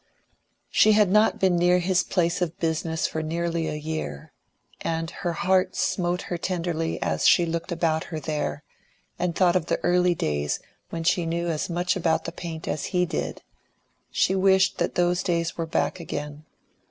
She had not been near his place of business for nearly a year, and her heart smote her tenderly as she looked about her there, and thought of the early days when she knew as much about the paint as he did; she wished that those days were back again.